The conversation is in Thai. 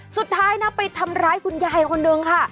สุดท้ายนะไปทำร้ายคุณยายคนนึงค่ะ